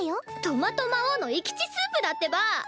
トマト魔王の生き血スープだってば！